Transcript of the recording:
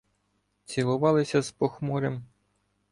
Цілувалися з похмурим.